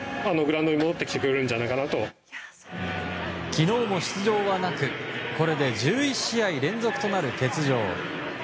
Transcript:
昨日も出場はなくこれで１１試合連続となる欠場。